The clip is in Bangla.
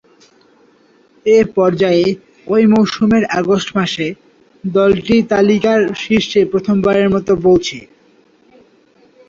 এ পর্যায়ে ঐ মৌসুমের আগস্ট মাসে দলটি তালিকার শীর্ষে প্রথমবারের মতো পৌঁছে।